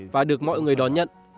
và được mọi người đón nhận